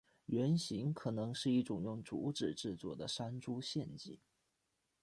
原型可能是一种用竹子制作的山猪陷阱。